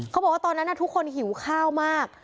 เขาบอกว่าตอนนั้นทุกคนหิวข้าวมาก